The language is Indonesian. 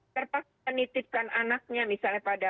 terpaksa menitipkan anaknya misalnya pada